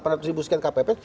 delapan ratus ribu sekian kpps